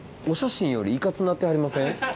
お写真よりいかつぅなってはりますよね？